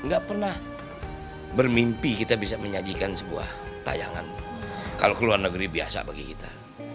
gak pernah bermimpi kita bisa menyajikan sebuah tayangan kalau ke luar negeri biasa bagi kita